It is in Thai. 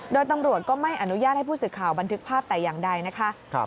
โดยตำรวจก็ไม่อนุญาตให้ผู้สื่อข่าวบันทึกภาพแต่อย่างใดนะคะ